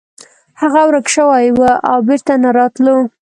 هغه ورک شوی و او بیرته نه راتلو.